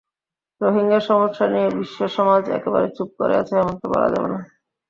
রোহিঙ্গা সমস্যা নিয়ে বিশ্বসমাজ একেবারে চুপ করে আছে, এমনটি বলা যাবে না।